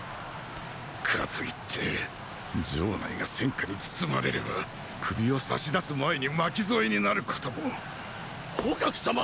かと言って城内が戦火に包まれれば首をさし出す前に巻きぞえになることも蒲様！